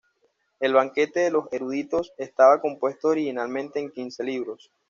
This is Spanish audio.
El "Banquete de los eruditos" estaba compuesto originalmente en quince libros.